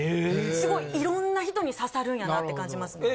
すごいいろんな人に刺さるんやなって感じますね。